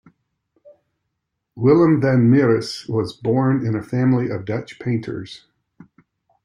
Willem van Mieris was born in a family of Dutch painters.